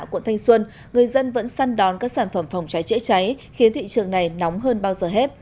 quận thanh xuân người dân vẫn săn đón các sản phẩm phòng cháy chữa cháy khiến thị trường này nóng hơn bao giờ hết